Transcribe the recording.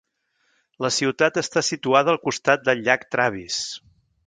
La ciutat està situada al costat del llac Travis.